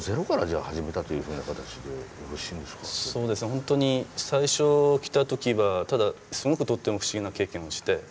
ホントに最初来た時はただすごくとっても不思議な経験をして。